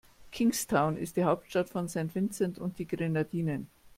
Kingstown ist die Hauptstadt von St. Vincent und die Grenadinen.